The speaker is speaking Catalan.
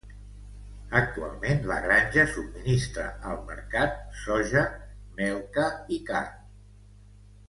Actualment la granja subministra al mercat soja, melca i carn.